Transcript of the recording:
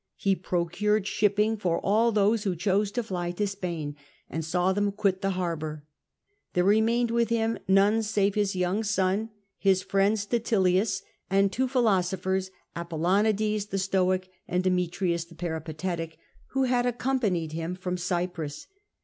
He procured shipping for all those who chose to fly to Spain, and saw them quit the harbour. There remained with him none save his young son, his friend Statilius, and two philosophers, Apollonides the Stoic and Demetrius the Peripatetic, who had accom panied him from Cyprus.